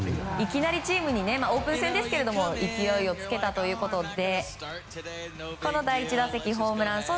いきなりチームにオープン戦ですけれども勢いをつけたということでこの第１打席、ホームラン。